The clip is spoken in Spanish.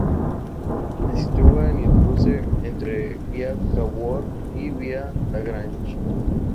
Se sitúa en el cruce entre la vía Cavour y la vía Lagrange.